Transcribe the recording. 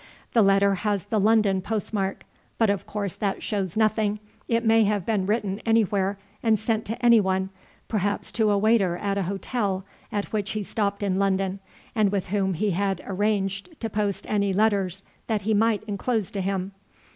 The letter has the London post mark, but of course that shows nothing; it may have been written anywhere and sent to anyone perhaps to a waiter at an hotel at which he stopped in London, and with whom he had arranged to post any letters that he might inclose to him.